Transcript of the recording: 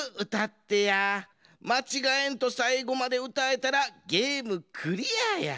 まちがえんとさいごまでうたえたらゲームクリアや。